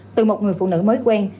từ một người phụ nữ mới quen